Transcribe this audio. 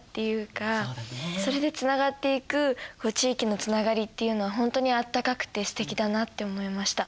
それでつながっていく地域のつながりっていうのはほんとにあったかくてすてきだなって思いました。